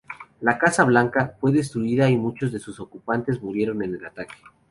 La "Casa Blanca" fue destruida y muchos de sus ocupantes murieron en el ataque.